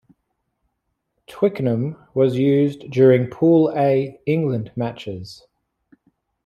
Twickenham was used during pool A England matches.